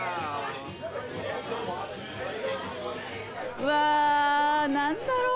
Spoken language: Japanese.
うわ何だろう。